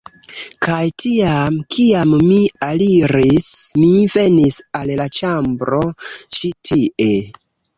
Kaj tiam, kiam mi aliris, mi venis al la ĉambro ĉi tie